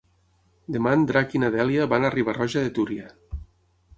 Demà en Drac i na Dèlia van a Riba-roja de Túria.